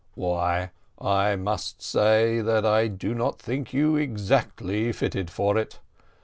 "Why, I must say that I do not think you exactly fitted for it.